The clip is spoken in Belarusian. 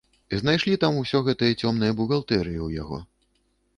Знайшлі там усё гэтыя цёмныя бухгалтэрыі ў яго.